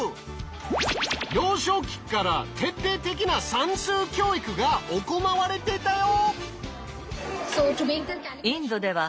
幼少期から徹底的な算数教育が行われてたよ！